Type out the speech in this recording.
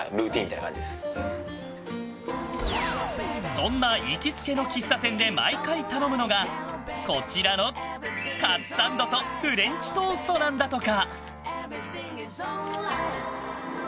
そんな行きつけの喫茶店で毎回頼むのがこちらのカツサンドとフレンチトーストなんだとか。